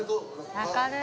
明るい。